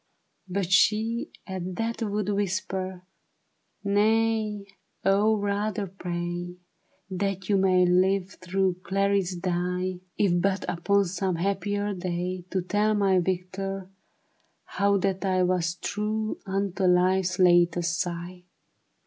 But she at that would whisper " Nay, O rather pray That you may live though Clarice die ; If but upon some happier day To tell my Victor, how that I Was true unto life's latest sigh."